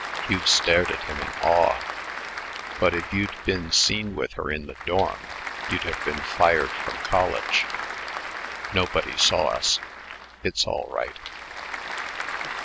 Hugh stared at him in awe. "But if you'd been seen with her in the dorm, you'd have been fired from college." "Nobody saw us. It's all right."